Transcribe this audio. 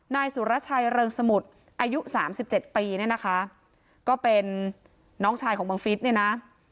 นายสุรชัยเริงสมุทรอายุสามสิบเจ็ดปีเนี่ยนะคะก็เป็นน้องชายของบังฟิศเนี่ยนะ